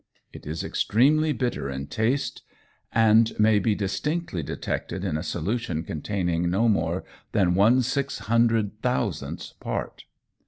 It is extremely bitter in taste, and may be distinctly detected in a solution containing no more than one six hundred thousandth part.